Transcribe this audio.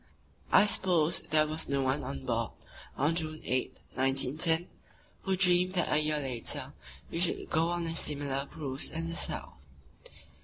I suppose there was no one on board on June 8, 1910, who dreamed that a year later we should go on a similar cruise in the South.